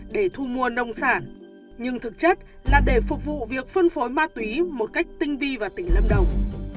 để thu mua nông sản nhưng thực chất là để phục vụ việc phân phối ma túy một cách tinh vi vào tỉnh lâm đồng